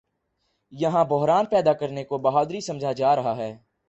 یہاں بحران پیدا کرنے کو بہادری سمجھا جا رہا ہے۔